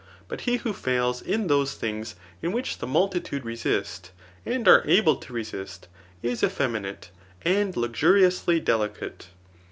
But he who fails in those things in which the multitude resist, and are able to resist, is effeminate and luxuriously delicate.